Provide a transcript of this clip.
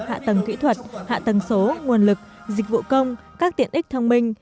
hạ tầng kỹ thuật hạ tầng số nguồn lực dịch vụ công các tiện ích thông minh